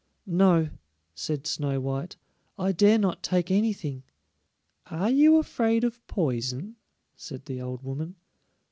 "No," said Snow white, "I dare not take anything." "Are you afraid of poison?" said the old woman.